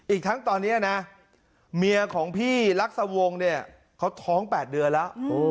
อีกทั้งตอนนี้นะเมียของพี่ลักษวงศ์เนี่ยเขาท้อง๘เดือนแล้ว